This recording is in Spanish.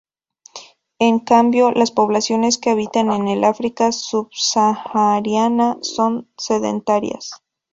En cambio, las poblaciones que habitan en el África subsahariana son sedentarias.